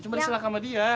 cuma salah sama dia